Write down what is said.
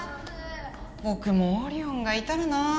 ぼくもオリオンがいたらなあ！